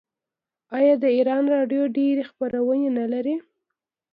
آیا د ایران راډیو ډیرې خپرونې نلري؟